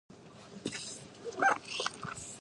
关于推广应用全面数字化电子发票的公告